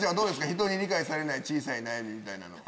ひとに理解されない小さい悩みみたいなのは。